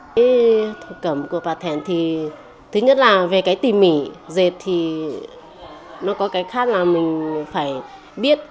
cái thuộc cẩm của bà thèn thì thứ nhất là về cái tỉ mỉ dệt thì nó có cái khác là mình phải biết